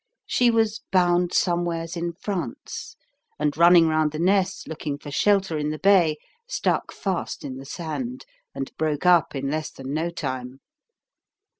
She was "bound somewheres in France," and running round the Ness, looking for shelter in the bay, stuck fast in the sand, "and broke up in less than no time."